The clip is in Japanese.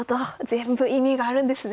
全部意味があるんですね。